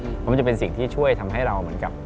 เพราะมันจะเป็นสิ่งที่ช่วยทำให้เราเหมือนกับ